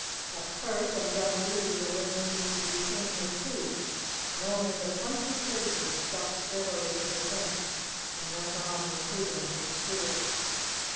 At Perth and Dundee the wind seemed to be changing too, and only the country places stuck steadily to the Prince and went on recruiting for the Stuarts.